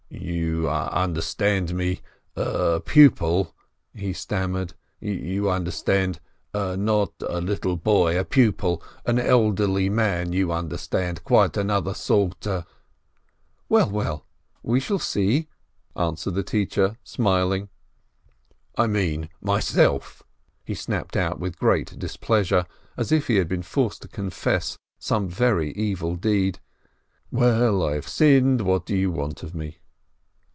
"You understand me — a pupil —" he stammered, "you understand — not a little boy — a pupil — an elderly man — you understand — quite another sort —" "Well, well, we shall see!" answered the teacher, smiling. "I mean myself!" he snapped out with great dis pleasure, as if he had been forced to confess some very evil deed. "Well, I have sinned — what do you want of me?"